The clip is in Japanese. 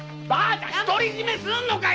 独り占めするのかよ